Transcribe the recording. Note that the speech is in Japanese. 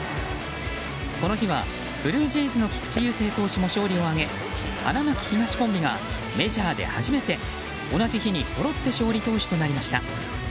この日は、ブルージェイズの菊池雄星投手も勝利を挙げ花巻東コンビがメジャーで初めて同じ日にそろって勝利投手となりました。